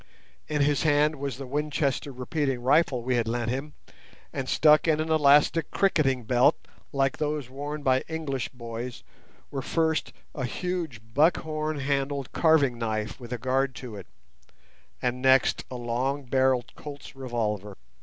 In his hand was the Winchester repeating rifle we had lent him; and stuck in an elastic cricketing belt, like those worn by English boys, were, first, a huge buckhorn handled carving knife with a guard to it, and next a long barrelled Colt's revolver.